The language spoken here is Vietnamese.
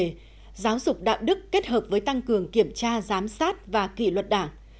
về giáo dục đạo đức kết hợp với tăng cường kiểm tra giám sát và kỷ luật đảng